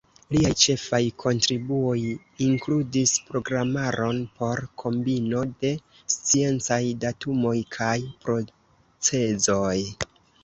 Liaj ĉefaj kontribuoj inkludis programaron por kombino de sciencaj datumoj kaj procezoj.